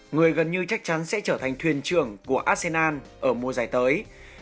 người gần như chắc chắn sẽ trở thành thuyền trưởng của arsenal ở mùa giải tới